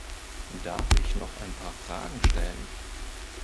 Darf ich noch ein paar Fragen stellen?